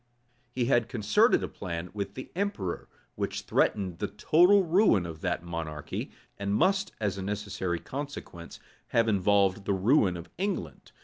He had concerted a plan with the emperor, which threatened the total ruin of that monarchy, and must, as a necessary consequence, have involved the ruin of England.